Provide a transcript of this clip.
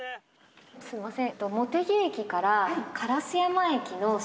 すみません。